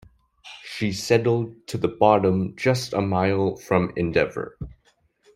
She settled to the bottom just a mile from "Endeavour".